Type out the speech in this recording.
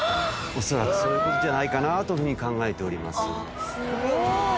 恐らくそういう事じゃないかなというふうに考えております。